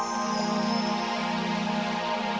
terima kasih pak